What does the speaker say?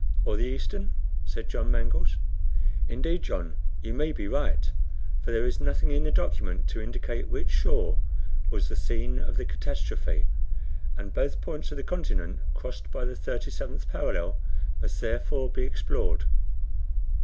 "Or the eastern?" said John Mangles. "Indeed, John, you may be right, for there is nothing in the document to indicate which shore was the scene of the catastrophe, and both points of the continent crossed by the 37th parallel, must, therefore, be explored."